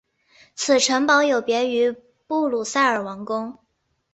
此城堡有别于布鲁塞尔王宫。